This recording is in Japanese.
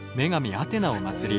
アテナを祭り